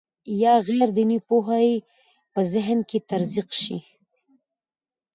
یا غیر دیني پوهه یې په ذهن کې تزریق شي.